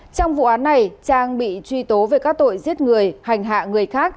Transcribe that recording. trong vụ án này trang bị truy tố về các tội giết người hành hạ người khác